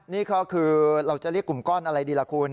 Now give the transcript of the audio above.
นี่ก็คือเราจะเรียกกลุ่มก้อนอะไรดีล่ะคุณ